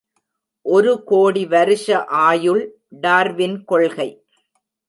ஒரு கோடி வருஷ ஆயுள், டார்வின் கொள்கை.